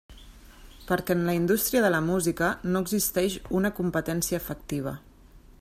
Perquè en la indústria de la música no existeix una competència efectiva.